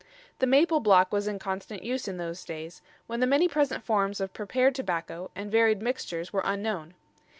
The maple block was in constant use in those days, when the many present forms of prepared tobacco and varied mixtures were unknown.